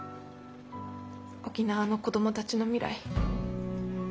沖縄の子供たちの未来